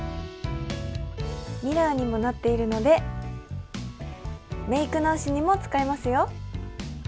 ミラーにもなっているのでメイク直しにも使えますよ。